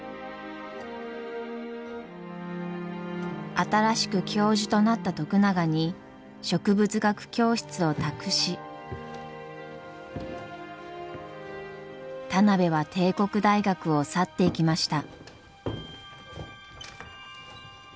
新しく教授となった徳永に植物学教室を託し田邊は帝国大学を去っていきました。